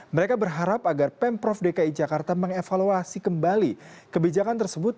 mereka berharap agar pemprov dki jakarta mengevaluasi kembali kebijakan tersebut